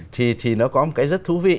thì nó có một cái rất thú vị